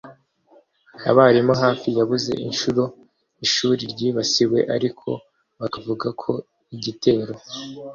Abarimu hafi yabuze inshuro inshuro ishuri ryibasiwe ariko bakavuga ko igitero